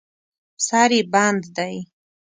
سر یې بند دی.